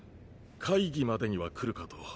会議までには来るかと。